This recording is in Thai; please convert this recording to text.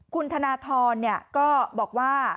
คุณธนทรเนี่ยก็บอกว่า